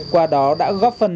qua đó đã góp phần